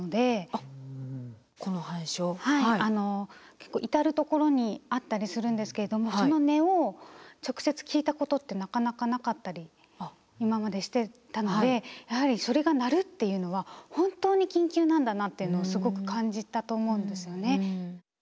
結構至る所にあったりするんですけれどもその音を直接聞いたことってなかなかなかったり今までしてたのでやはりそれが鳴るっていうのは本当に緊急なんだなっていうのをすごく感じたと思うんですよね。